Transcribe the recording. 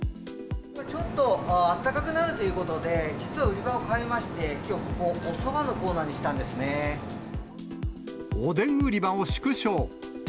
ちょっとあったかくなるということで、実は売り場を変えまして、きょう、ここ、おでん売り場を縮小。